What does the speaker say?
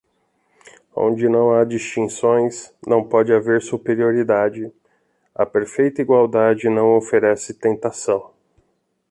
Onde não há distinções, não pode haver superioridade, a perfeita igualdade não oferece tentação.